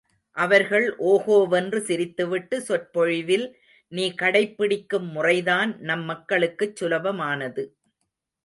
அவர்கள் ஓகோ வென்று சிரித்துவிட்டு, சொற்பொழிவில் நீ கடைப்பிடிக்கும் முறைதான் நம் மக்களுக்குச் சுலபமானது.